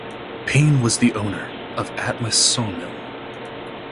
Payne was the owner of Atlas sawmill.